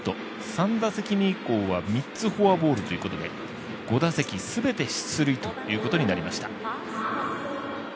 ３打席目以降は３つフォアボールということで５打席すべて出塁ということになりました。